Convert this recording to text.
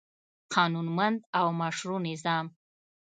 قانونمند او مشروع نظام